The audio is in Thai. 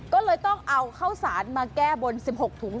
ก็เลยต้องเอาข้าวสารมาแก้บน๑๖ถุง